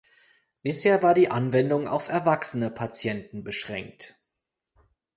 Bisher war die Anwendung auf erwachsene Patienten beschränkt.